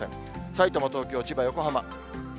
さいたま、東京、千葉、横浜。